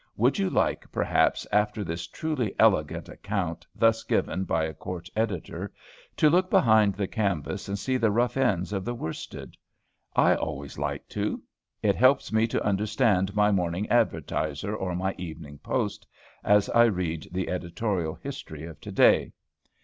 Would you like, perhaps, after this truly elegant account thus given by a court editor, to look behind the canvas and see the rough ends of the worsted? I always like to. It helps me to understand my morning "Advertiser" or my "Evening Post," as I read the editorial history of to day.